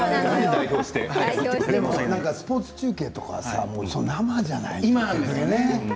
スポーツ中継とか生じゃないですか。